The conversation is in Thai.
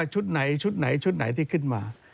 ชุดไหนชุดไหนชุดไหนที่ขึ้นมา